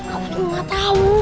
aku tuh gak tau